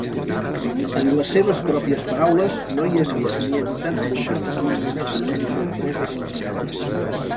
En les seves pròpies paraules, no hi havia "ni habitants lunars, ni monstres, ni sorpreses increïbles".